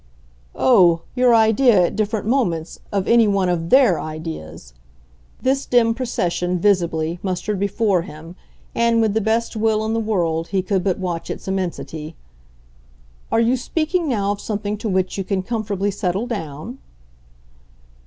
"Oh, your idea, at different moments, of any one of THEIR ideas!" This dim procession, visibly, mustered before him, and, with the best will in the world, he could but watch its immensity. "Are you speaking now of something to which you can comfortably settle down?"